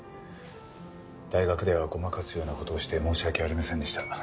大学ではごまかすような事をして申し訳ありませんでした。